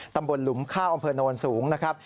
ตำบลหลุมค่าอำเภอโนนสูงนะครับ